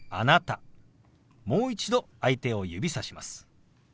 もう一度相手を指さします。